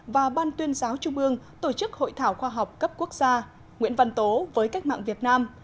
và ban tuyên giáo trung ương tổ chức hội thảo khoa học cấp quốc gia nguyễn văn tố với cách mạng việt nam